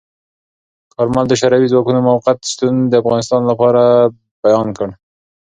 کارمل د شوروي ځواکونو موقت شتون د افغانستان د امنیت لپاره بیان کړ.